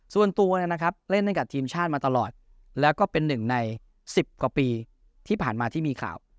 ส่วนตัวนะครับเล่นให้กับทีมชาติมาตลอดแล้วก็เป็นหนึ่งใน๑๐กว่าปีที่ผ่านมาที่มีข่าว